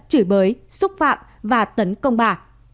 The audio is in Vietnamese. chửi bới xúc phạm và tấn công bà